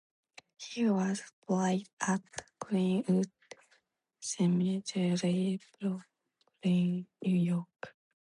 He was buried at Green-Wood Cemetery, Brooklyn, New York.